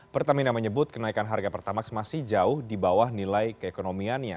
pertamina menyebut kenaikan harga pertamax masih jauh di bawah nilai keekonomiannya